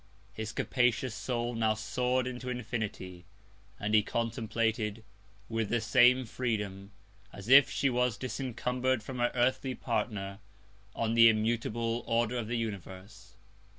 His capacious Soul now soar'd into Infinity, and he contemplated, with the same Freedom, as if she was disencumber'd from her earthly Partner, on the immutable Order of the Universe.